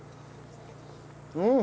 うん。